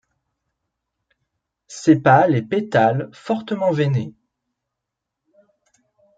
Sépales et pétales fortement veinés.